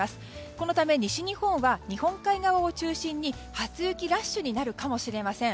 このため西日本は日本海側を中心に初雪ラッシュになるかもしれません。